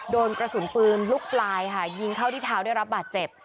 โดนกระสุนปืนลูกปลายค่ะยิงเข้าที่เท้าได้รับบาดเจ็บ